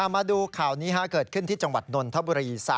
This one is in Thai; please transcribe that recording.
มาดูข่าวนี้เกิดขึ้นที่จังหวัดนนทบุรี